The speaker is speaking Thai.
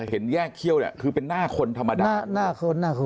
เห็นแยกเขี้ยวเนี่ยคือเป็นหน้าคนธรรมดาหน้าคนน่าค้น